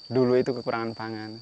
dulu itu kekurangan pangan